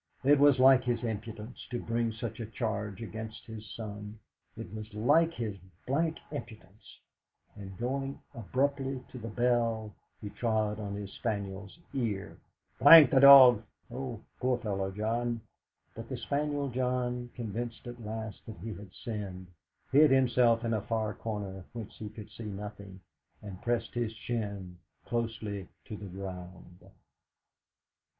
It was like his impudence to bring such a charge against his son. It was like his d d impudence! And going abruptly to the bell, he trod on his spaniel's ear. "D n the dog! Oh, poor fellow, John!" But the spaniel John, convinced at last that he had sinned, hid himself in a far corner whence he could see nothing, and pressed his chin closely to the ground.